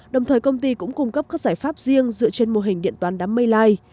đồng thời công ty cũng cung cấp các giải pháp riêng dựa trên mô hình điện toán đám mây li